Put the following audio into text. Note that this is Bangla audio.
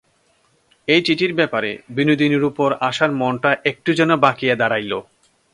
এই চিঠির ব্যাপারে বিনোদিনীর উপর আশার মনটা একটু যেন বাঁকিয়া দাঁড়াইল।